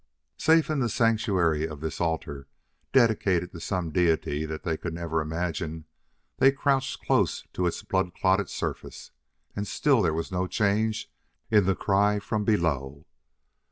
Safe in the sanctuary of this altar dedicated to some deity that they could never imagine, they crouched close to its blood clotted surface, and still there was no change in the cry from below.